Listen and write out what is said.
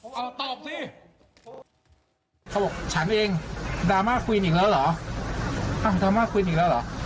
ค่ะตอบสิเขาบอกฉันเองดราม่าควีนอีกแล้วเหรอ